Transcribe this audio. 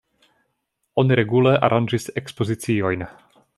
Oni regule aranĝis ekspoziciojn.